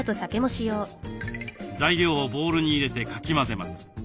材料をボウルに入れてかき混ぜます。